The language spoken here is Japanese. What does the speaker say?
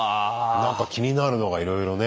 なんか気になるのがいろいろね。